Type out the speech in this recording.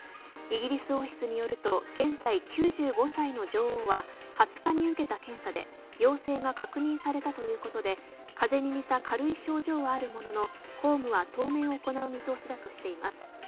イギリス王室によると現在９５歳の女王は２０日に受けた検査で陽性が確認されたということで風邪に似た軽い症状はあるものの公務は当面行う見通しだとしています。